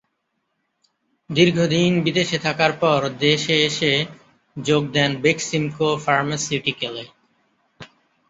দীর্ঘদিন বিদেশে থাকার পর দেশে এসে যোগ দেন বেক্সিমকো ফার্মাসিউটিক্যালে।